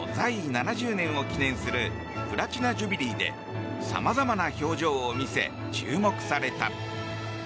７０年を記念するプラチナ・ジュビリーでさまざまな表情を見せ注目された。